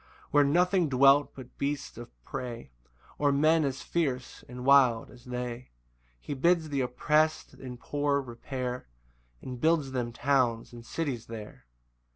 3 [Where nothing dwelt but beasts of prey, Or men as fierce and wild as they; He bids th' opprest and poor repair, And builds them towns and cities there.